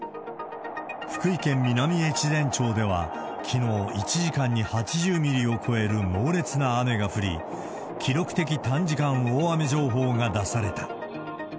福井県南越前町では、きのう、１時間に８０ミリを超える猛烈な雨が降り、記録的短時間大雨情報が出された。